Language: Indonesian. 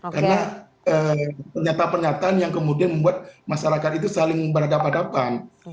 karena ternyata pernyataan yang kemudian membuat masyarakat itu saling berada pada depan